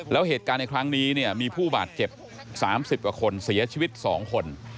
แล้วเหตุการณ์ในครั้งนี้เนี่ยมีผู้บาดเจ็บ๓๐กว่าคนเสียชีวิต๒คน